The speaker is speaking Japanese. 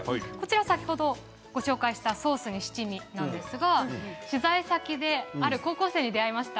先ほどご紹介したソースに七味なんですが取材先である高校生に出会いました。